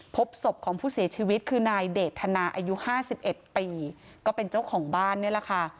พบศพของผู้เสียชีวิตคือนายเดทนาอายุ๕๑ปีก็เป็นเจ้าของบ้านนี่แหละค่ะ